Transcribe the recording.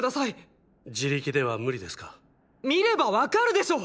見ればわかるでしょう！